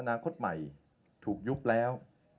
นาคตใหม่ถูกยุบแล้ว